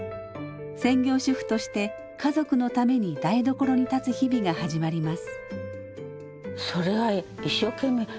専業主婦として家族のために台所に立つ日々が始まります。